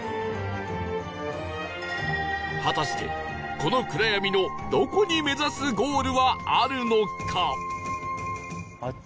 果たしてこの暗闇のどこに目指すゴールはあるのか？